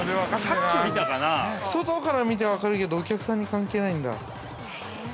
◆外から見て分かるけどお客さんに関係ないんだ。